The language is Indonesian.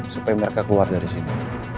supaya mereka keluar dari sini